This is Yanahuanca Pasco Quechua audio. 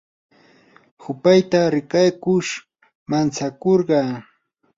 hupayta rikaykush mantsakurqa.